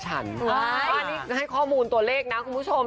อันนี้ให้ข้อมูลตัวเลขนะคุณผู้ชม